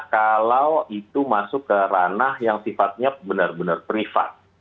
kalau itu masuk ke ranah yang sifatnya benar benar privat